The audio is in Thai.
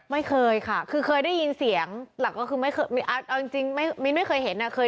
ไม่เคยค่ะคือเคยได้ยินเสียงหลักก็คือไม่เคยมีเอาจริงมิ้นไม่เคยเห็นอ่ะ